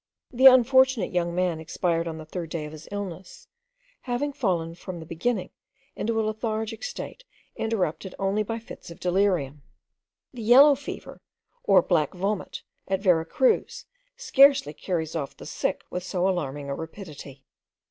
The unfortunate young man expired on the third day of his illness, having fallen from the beginning into a lethargic state interrupted only by fits of delirium. The yellow fever, or black vomit, at Vera Cruz, scarcely carries off the sick with so alarming a rapidity.